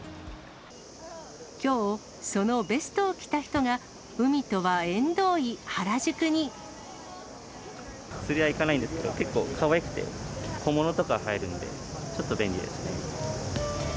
きょう、そのベストを着た人が、釣りは行かないんですけど、結構かわいくて、小物とか入るので、ちょっと便利ですね。